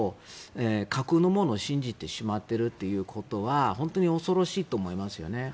架空のものを信じてしまっているということは本当に恐ろしいと思いますよね。